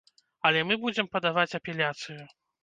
Але мы будзем падаваць апеляцыю.